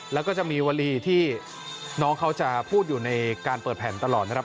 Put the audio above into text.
แล้วก็จะมีวลีที่น้องเขาจะพูดอยู่ในการเปิดแผ่นตลอดนะครับ